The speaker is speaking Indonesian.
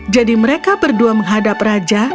jadi mereka berdua menghadap raja